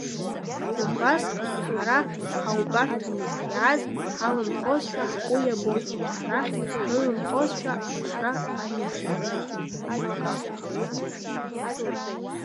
Убасҟатәи ҳара ҳаубарҭамызт, иааз ҳаланхозшәа ҳгәы иабон, арахь ҳрыланхозшәа аԥшра аиухьан.